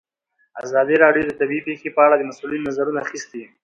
ازادي راډیو د طبیعي پېښې په اړه د مسؤلینو نظرونه اخیستي.